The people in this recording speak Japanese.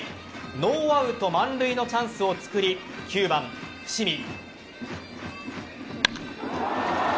ノーアウト満塁のチャンスをつくり９番・伏見。